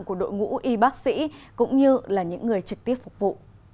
của đội ngũ y bác sĩ cũng như là những người trực tiếp phục vụ